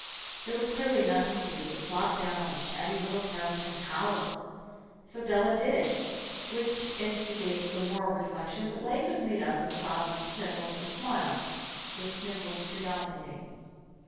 There was clearly nothing to do but flop down on the shabby little couch and howl. So Della did it. Which instigates the moral reflection that life is made up of sobs, sniffles, and smiles, with sniffles predominating.